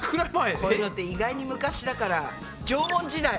こういうのって意外に昔だから縄文時代。